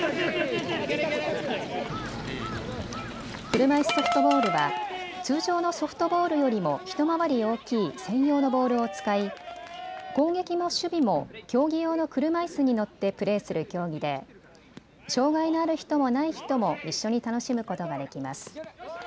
車椅子ソフトボールは通常のソフトボールよりも一回り大きい専用のボールを使い攻撃も守備も競技用の車いすに乗ってプレーする競技で障害のある人も、ない人も一緒に楽しむことができます。